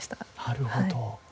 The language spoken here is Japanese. なるほど。